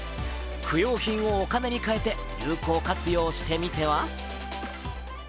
不用品をお金にかえて有効活用してみては。